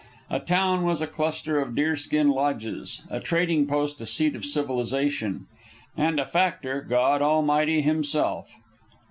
A town was a cluster of deer skin lodges; a trading post a seat of civilization; and a factor God Almighty Himself.